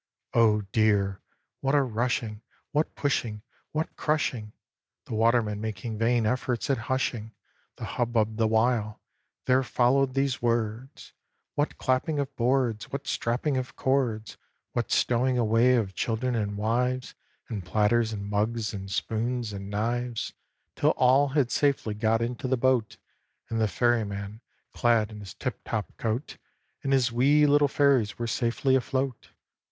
Oh, dear! what a rushing, what pushing, what crushing (The watermen making vain efforts at hushing The hubbub the while) there followed these words! What clapping of boards! What strapping of cords! What stowing away of children and wives, And platters, and mugs, and spoons, and knives! Till all had safely got into the boat, And the Ferryman, clad in his tip top coat, And his wee little Fairies were safely afloat!